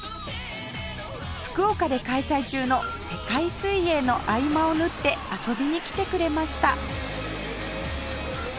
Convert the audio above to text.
福岡で開催中の世界水泳の合間を縫って遊びに来てくれました